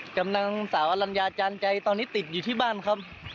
กำลังสาวอลัญญาจานใจตอนนี้ติดอยู่ที่บ้านครับ